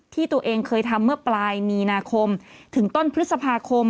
ที่ตัวเองเคยทำเมื่อปลายมีนาคมถึงต้นพฤษภาคม